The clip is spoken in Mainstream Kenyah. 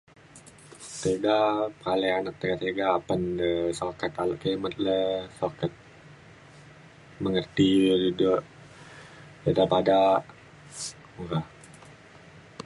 Tiga kale anak tiga tiga apan de sukat alak kimet le sukat mengerti iu de ida bada [unintelligible]